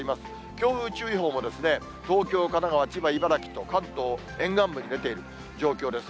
強風注意報も東京、神奈川、千葉、茨城と関東沿岸部に出ている状況です。